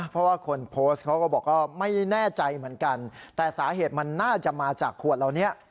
เพราะว่าคนโพสต์เขาก็บอกว่าไม่แน่ใจเหมือนกันแต่สาเหตุมันน่าจะมาจากขวดเหล่านี้